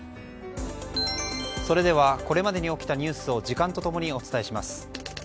それではこれまでに起きたニュースを時間と共にお伝えします。